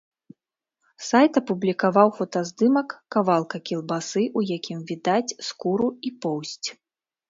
Сайт апублікаваў фотаздымак кавалка кілбасы, у якім відаць скуру і поўсць.